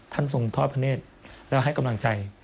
ท่านทรงพระพระเนธแล้วให้กำลังใจ